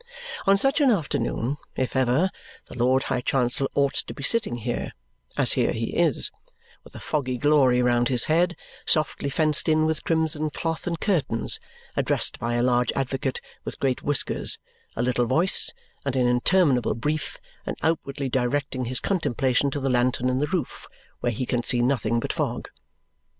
On such an afternoon, if ever, the Lord High Chancellor ought to be sitting here as here he is with a foggy glory round his head, softly fenced in with crimson cloth and curtains, addressed by a large advocate with great whiskers, a little voice, and an interminable brief, and outwardly directing his contemplation to the lantern in the roof, where he can see nothing but fog.